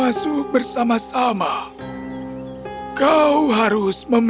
anda dan raftus ini letztennya tak makan dan tidak nerah tanpa girlfriend